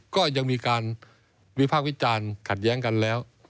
ก็ยังมีการวิพากษ์วิจารณ์ขัดแย้งกันแล้ว